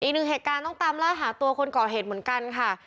อีกหนึ่งเหตุการณ์ต้องตามล่าหาตัวคนก่อเหตุเหมือนกันค่ะ